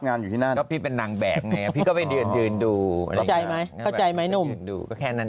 งานอยู่ที่นั่นก็พี่เป็นนางแบบเนี่ยพี่ก็ไปยืนดูก็แค่นั้น